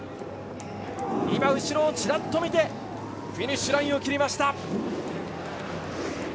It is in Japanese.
今、後ろをチラッと見てフィニッシュラインを切りました。